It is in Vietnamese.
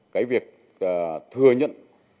cái việc thừa nhận